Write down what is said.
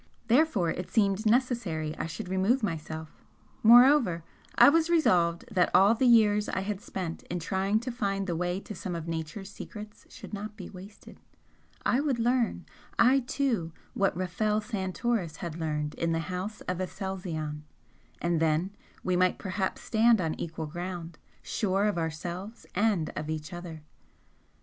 Therefore it seemed necessary I should remove myself, moreover, I was resolved that all the years I had spent in trying to find the way to some of Nature's secrets should not be wasted I would learn, I too, what Rafel Santoris had learned in the House of Aselzion and then we might perhaps stand on equal ground, sure of ourselves and of each other!